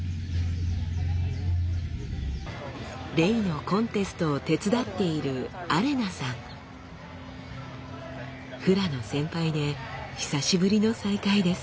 レイのコンテストを手伝っているフラの先輩で久しぶりの再会です。